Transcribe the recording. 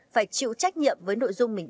phải chịu trách nhiệm với nội dung mình